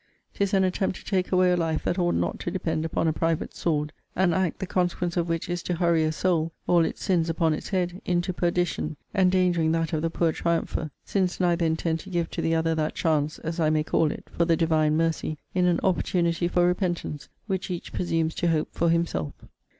'Tis an attempt to take away a life that ought not to depend upon a private sword; an act, the consequence of which is to hurry a soul (all its sins upon its had) into perdition; endangering that of the poor triumpher since neither intend to give to the other that chance, as I may call it, for the Divine mercy, in an opportunity for repentance, which each presumes to hope for himself.